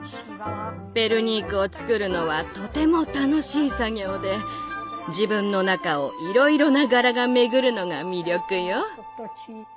ペルニークを作るのはとても楽しい作業で自分の中をいろいろな柄が巡るのが魅力よ。